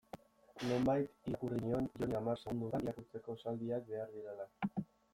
Nonbait irakurri nion Joni hamar segundotan irakurtzeko esaldiak behar direla.